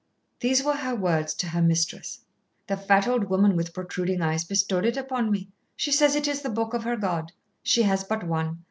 These were her words to her mistress: "The fat old woman with protruding eyes bestowed it upon me. She says it is the book of her god. She has but one.